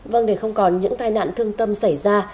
vâng để không còn những tai nạn thương tâm xảy ra